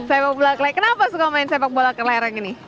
sepak bola kelereng kenapa suka main sepak bola kelereng ini